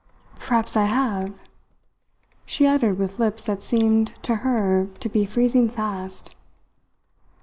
"Perhaps I have," she uttered with lips that seemed to her to be freezing fast.